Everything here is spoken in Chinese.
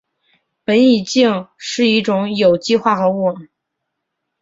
苯乙腈是一种有机化合物。